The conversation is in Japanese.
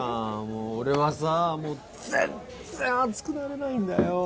もう俺はさもう全然熱くなれないんだよ